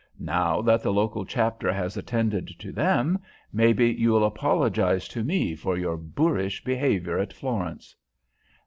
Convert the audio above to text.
"Now that the local chapter has attended to them, maybe you'll apologize to me for your boorish behavior at Florence."